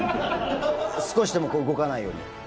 少しでも動かないように。